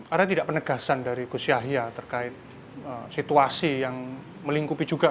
ada tidak penegasan dari gus yahya terkait situasi yang melingkupi juga